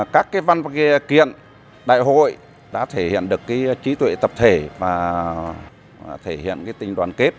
các văn kiện đại hội đã thể hiện được trí tuệ tập thể và thể hiện tình đoàn kết